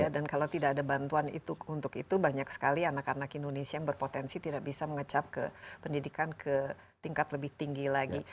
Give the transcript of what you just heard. dan kalau tidak ada bantuan untuk itu banyak sekali anak anak indonesia yang berpotensi tidak bisa mengecap ke pendidikan ke tingkat lebih tinggi lagi